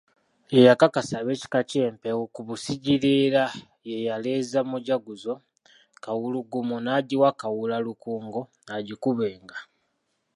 Ye yakakasa ab'ekika ky'Empeewo ku Busigireera ye yaleeza Mujaguzo Kawulugumo n'agiwa Kawuula Lukungo agikubenga.